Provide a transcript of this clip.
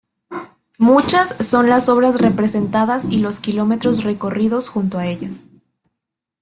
Muchas son las obras representadas y los kilómetros recorridos junto a ellas.